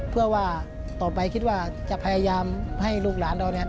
เพื่อว่าต่อไปคิดว่าจะพยายามให้ลูกหลานเราเนี่ย